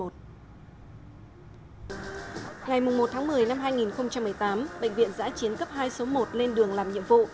ngày một tháng một mươi năm hai nghìn một mươi tám bệnh viện giã chiến cấp hai số một lên đường làm nhiệm vụ